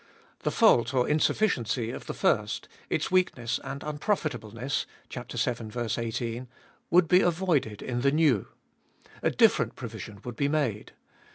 The fault or insufficiency of the first — its weakness and unprofitableness (vii. 1 8) — would be avoided in the new. A different provision would be made.